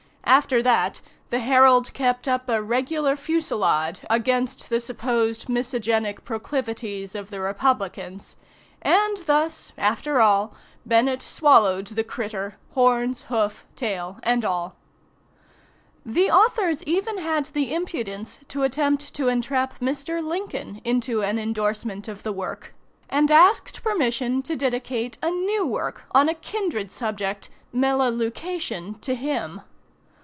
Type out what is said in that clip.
After that, the "Herald" kept up a regular fusillade against the supposed miscegenic proclivities of the Republicans. And thus, after all, Bennett swallowed the "critter" horns, hoofs, tail, and all. The authors even had the impudence to attempt to entrap Mr. Lincoln into an indorsement of the work, and asked permission to dedicate a new work, on a kindred subject, "Melaleukation," to him.